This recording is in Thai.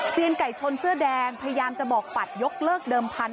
ไก่ชนเสื้อแดงพยายามจะบอกปัดยกเลิกเดิมพันธ